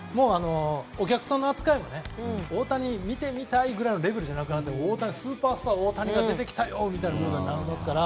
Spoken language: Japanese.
お客さんの扱いも大谷、見てみたいくらいのレベルじゃなくてスーパースター大谷が出てきたよという感じですから。